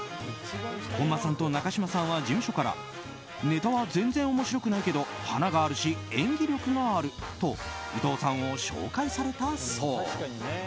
本間さんと中嶋さんは事務所からネタは全然面白くないけど華があるし、演技力があると伊藤さんを紹介されたそう。